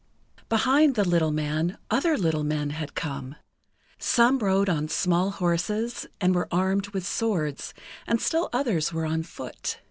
Behind the little man, other little men had come. Some rode on small horses, and were armed with swords, and still others were on foot.